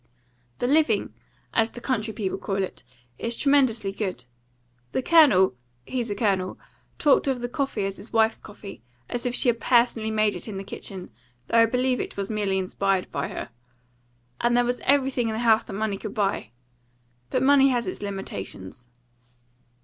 "The living, as the country people call it, is tremendously good. The Colonel he's a colonel talked of the coffee as his wife's coffee, as if she had personally made it in the kitchen, though I believe it was merely inspired by her. And there was everything in the house that money could buy. But money has its limitations."